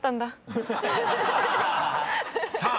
［さあ